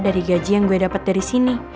dari gaji yang gue dapat dari sini